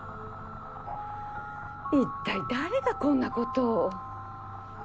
一体誰がこんなことを？